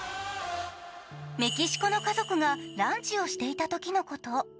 メキシコの家族がランチをしていたときのこと。